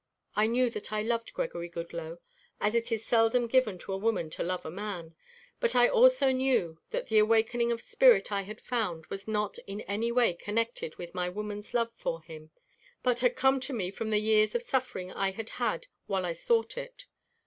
I knew that I loved Gregory Goodloe as it is seldom given to a woman to love a man, but I also knew that the awakening of spirit I had found was not in any way connected with my woman's love for him, but had come to me from the years of suffering I had had while I sought it.